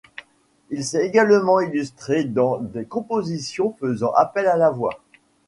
Il s'est également illustré dans des compositions faisant appel à la voix.